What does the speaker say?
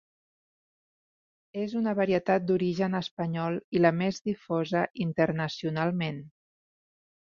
És una varietat d'origen espanyol i la més difosa internacionalment.